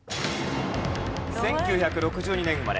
１９６２年生まれ。